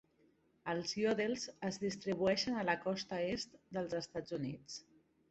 Els Yodels es distribueixen a la costa est dels Estats Units.